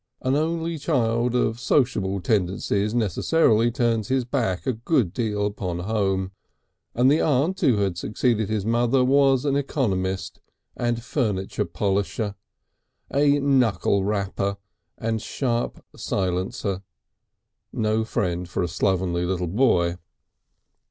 An only child of sociable tendencies necessarily turns his back a good deal upon home, and the aunt who had succeeded his mother was an economist and furniture polisher, a knuckle rapper and sharp silencer, no friend for a slovenly little boy.